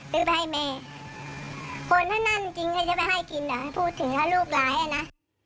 ซื้อไปให้แม่คนเท่านั้นจริงเขาจะไปให้กินเหรอพูดถึงถ้าลูกหลายอ่ะน่ะ